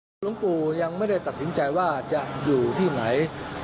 พระครูสังครัมยังไม่ได้ตัดสินใจว่าจะอยู่ที่ไหน